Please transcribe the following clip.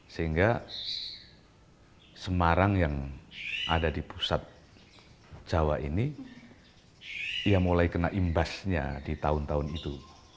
sehingga semarang yang ada di pusat jawa ini ia mulai kena imbasnya di tahun tahun itu